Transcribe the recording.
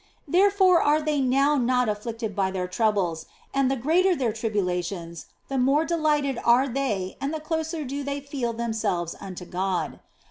Therefore are they now not afflicted by their troubles, and the greater their tribulations the more delighted are they and the closer do they feel themselves unto God.